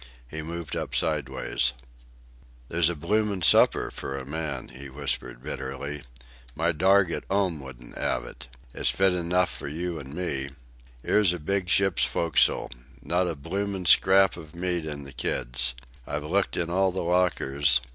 He moved up sideways. "There's a blooming supper for a man," he whispered bitterly. "My dorg at 'ome wouldn't 'ave it. It's fit enouf for you an' me. 'Ere's a big ship's fo'c'sle!... Not a blooming scrap of meat in the kids. I've looked in all the lockers...."